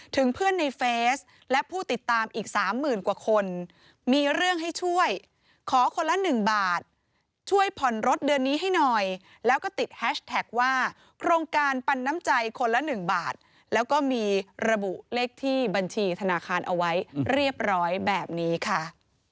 เพื่อนในเฟสและผู้ติดตามอีกสามหมื่นกว่าคนมีเรื่องให้ช่วยขอคนละ๑บาทช่วยผ่อนรถเดือนนี้ให้หน่อยแล้วก็ติดแฮชแท็กว่าโครงการปันน้ำใจคนละ๑บาทแล้วก็มีระบุเลขที่บัญชีธนาคารเอาไว้เรียบร้อยแบบนี้ค่ะ